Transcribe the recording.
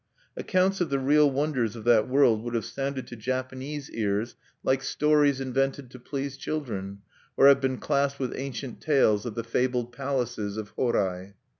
Accounts of the real wonders of that world would have sounded to Japanese ears like stories invented to please children, or have been classed with ancient tales of the fabled palaces of Horai.